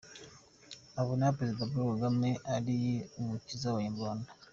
Abona Perezida Paul Kagame ari umukiza w’Abanyarwanda.